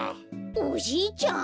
おじいちゃん？